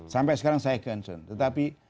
sampai sekarang saya concern tetapi